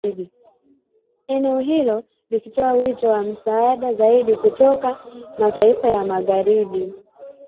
Eneo hilo ikitoa wito wa msaada zaidi kutoka mataifa ya Magharibi